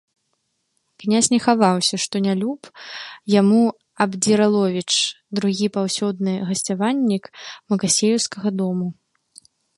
Князь не хаваўся, што нялюб яму Абдзіраловіч, другі паўсёдны гасцяваннік макасееўскага дому.